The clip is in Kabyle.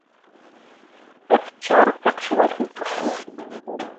Ad d-teččar taqecwalt n tbexsisin.